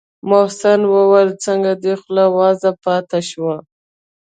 محسن وويل څنگه دې خوله وازه پاته شوه.